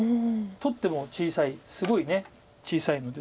取っても小さいすごい小さいので。